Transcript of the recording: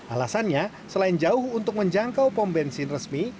alasannya selain jauh untuk menjangkau pom bensin resmi